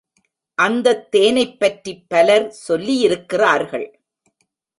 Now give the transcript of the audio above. அந்தத் தேனைப் பற்றிப் பலர் சொல்லியிருக்கிறார்கள்.